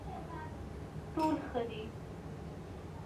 ټول ښه دي.